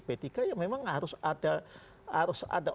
p tiga ya memang harus ada